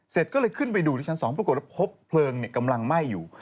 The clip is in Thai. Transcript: เสร็จก็เลยขึ้นไปดูที่ชั้น๒ปรากฏว่าพบเพลิงกำลังไหม้อยู่